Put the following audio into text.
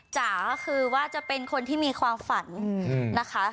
จ๋าก็คือว่าจะเป็นคนที่มีความฝันนะคะ